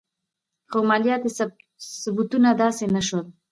خو مالیاتي ثبتونه داسې نه شول.